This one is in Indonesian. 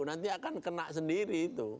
nanti akan kena sendiri itu